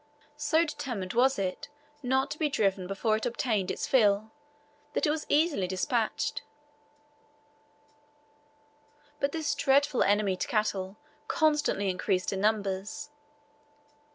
So determined was it not to be driven before it obtained its fill, that it was easily despatched; but this dreadful enemy to cattle constantly increased in numbers.